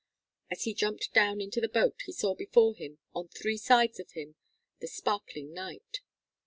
As he jumped down into the boat he saw before him, on three sides of him, the sparkling night.